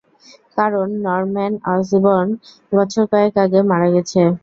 কারণ, Norman Osborne বছর কয়েক আগে মারা গেছে।